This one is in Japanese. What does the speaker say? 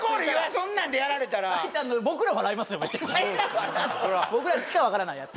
そんなんでやられたらタイタンの僕らしかわからないやつ